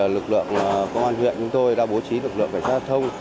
lực lượng công an huyện chúng tôi đã bố trí lực lượng cảnh sát giao thông